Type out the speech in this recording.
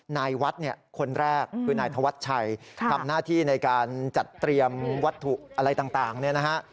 นายวัดเนี่ยคนแรกคือนายธวัชชัยทำหน้าที่ในการจัดเตรียมวัตถุอะไรต่างเนี่ยนะฮะ